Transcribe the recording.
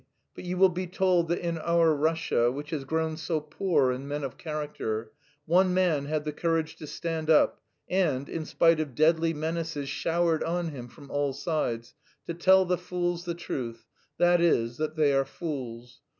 But you will be told that in our Russia, which has grown so poor in men of character, one man had the courage to stand up and, in spite of deadly menaces showered on him from all sides, to tell the fools the truth, that is, that they are fools.